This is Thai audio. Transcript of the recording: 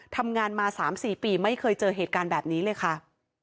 ทำงานมา๓๔ปีไม่เคยเจอเหตุการณ์แบบนี้เลยค่ะ